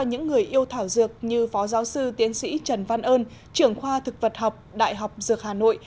những người yêu thảo dược như phó giáo sư tiến sĩ trần văn ơn trưởng khoa thực vật học đại học dược hà nội